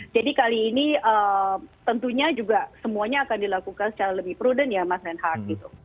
jadi kali ini tentunya juga semuanya akan dilakukan secara lebih prudent ya mas anhar gitu